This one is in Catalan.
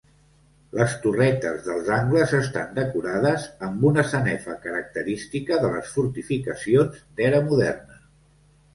Les torretes dels angles estan decorades amb una sanefa característica de les fortificacions d'era moderna.